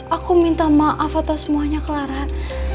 aku minta maaf atas semuanya kelaran